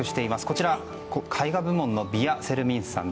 こちら絵画部門のヴィヤ・セルミンスさん。